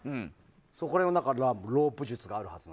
そこら辺のロープ術があるはず。